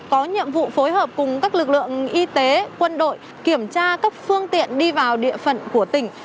có nhiệm vụ phối hợp cùng các lực lượng y tế quân đội kiểm tra các phương tiện đi vào địa phận của tỉnh